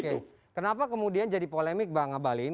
oke kenapa kemudian jadi polemik bang abalin